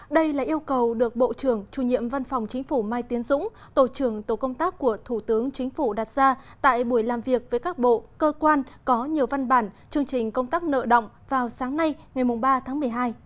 đây là yêu cầu được bộ trưởng chủ nhiệm văn phòng chính phủ mai tiến dũng tổ trưởng tổ công tác của thủ tướng chính phủ đặt ra tại buổi làm việc với các bộ cơ quan có nhiều văn bản chương trình công tác nợ động vào sáng nay ngày ba tháng một mươi hai